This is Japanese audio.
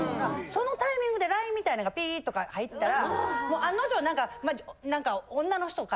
そのタイミングでＬＩＮＥみたいなんがピーッとか入ったらもう案の定何か。